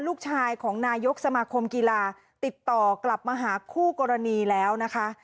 ลูกชายของนายกสมาคมกีฬาติดต่อกลับมาหาคู่กรณีแล้วนะคะ